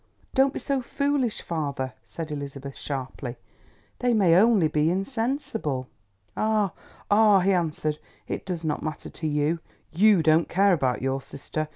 "Don't be so foolish, father," said Elizabeth sharply. "They may only be insensible." "Ah, ah," he answered; "it does not matter to you, you don't care about your sister.